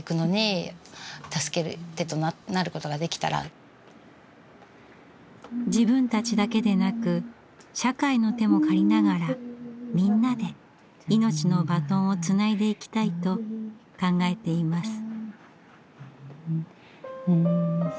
そういう自分たちだけでなく社会の手も借りながらみんなで命のバトンをつないでいきたいと考えています。